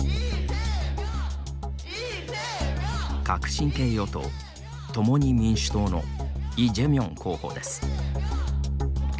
革新系与党「共に民主党」のイ・ジェミョン候補です。